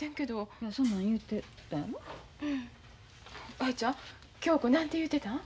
綾ちゃん恭子何て言うてたん？